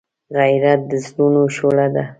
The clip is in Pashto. غیرت د زړونو شعله ده